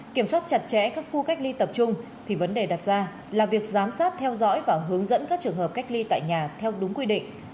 kiểm soát chặt chẽ các khu cách ly tập trung thì vấn đề đặt ra là việc giám sát theo dõi và hướng dẫn các trường hợp cách ly tại nhà theo đúng quy định